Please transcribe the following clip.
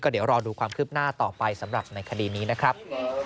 เดี๋ยวรอดูความคืบหน้าต่อไปสำหรับในคดีนี้นะครับ